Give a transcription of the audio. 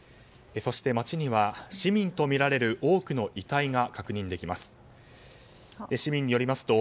そして、街には市民とみられる多くの遺体が確認できます。